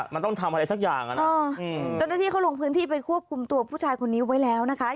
มันต้องทำอะไรสักอย่างอ่ะนะเจ้าหน้าที่เขาลงพื้นที่ไปควบคุมตัวผู้ชายคนนี้ไว้แล้วนะคะ